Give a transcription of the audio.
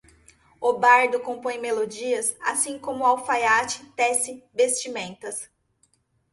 O bardo compõe melodias assim como o alfaiate tece vestimentas